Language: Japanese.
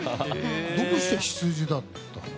どうしてヒツジだったの？